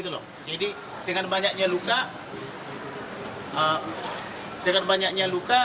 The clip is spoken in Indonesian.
jadi dengan banyaknya luka